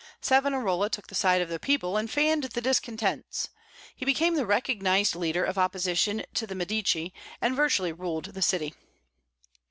Savonarola took the side of the people, and fanned the discontents. He became the recognized leader of opposition to the Medici, and virtually ruled the city.